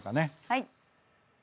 はい。